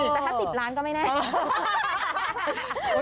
แต่ถ้าสิบร้านก็ไม่ได้